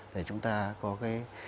để chúng ta có cái